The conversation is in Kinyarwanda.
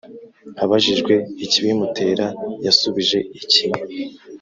Abajijwe ikibimutera yasubije iki?